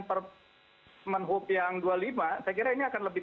permen hub yang dua puluh lima saya kira ini akan lebih